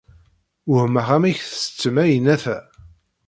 Wehmeɣ amek tettettem ayennat-a.